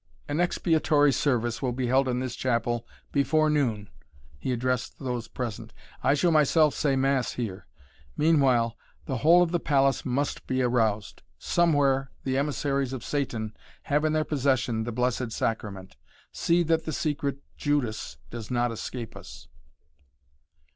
"An expiatory service will be held in this chapel before noon," he addressed those present. "I shall myself say Mass here. Meanwhile the whole of the palace must be aroused. Somewhere the emissaries of Satan have in their possession the Blessed Sacrament. See that the secret Judas does not escape us!"